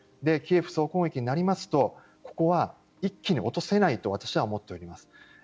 キエフ総攻撃になりますとここは一気に落とせないと私は思っております。